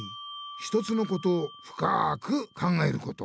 ひとつのことをふかく考えること。